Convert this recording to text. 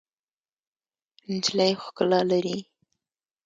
نجلۍ ښکلا لري.